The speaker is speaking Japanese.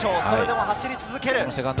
それでも走り続ける。